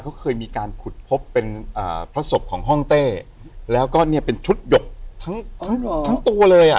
เขาเคยมีการขุดพบเป็นพระศพของห้องเต้แล้วก็เนี่ยเป็นชุดหยกทั้งตัวเลยอ่ะ